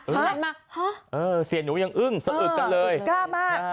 หันมาเสียหนูยังอึ้งสะอึกกันเลยกล้ามาก